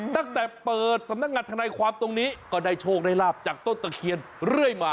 ตั้งแต่เปิดสำนักงานธนายความตรงนี้ก็ได้โชคได้ลาบจากต้นตะเคียนเรื่อยมา